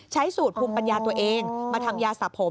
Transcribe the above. ใช้สูตรภูมิปัญญาตัวเองมาทำยาสระผม